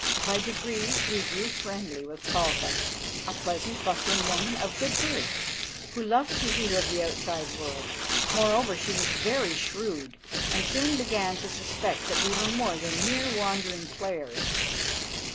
By degrees we grew friendly with Palka, a pleasant, bustling woman of good birth, who loved to hear of the outside world. Moreover, she was very shrewd, and soon began to suspect that we were more than mere wandering players.